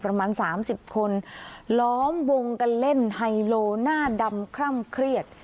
ประมาณสามสิบคนล้อมวงกันเล่นไฮโลหน้าดำคล่ำเครียด